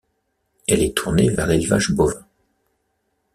Elle est tournée vers l'élevage bovin.